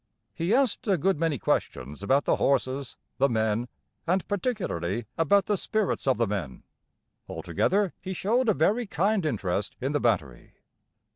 He asked a good many questions about the horses, the men, and particularly about the spirits of the men. Altogether he showed a very kind interest in the battery.